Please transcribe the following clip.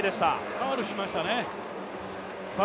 ファウルしましたね。